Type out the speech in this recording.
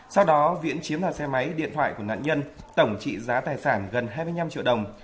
sau đó viễn chiếm đoạt xe máy điện thoại của nạn nhân tổng trị giá tài sản gần hai mươi năm triệu đồng